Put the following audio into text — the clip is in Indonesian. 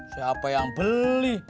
siapa yang beli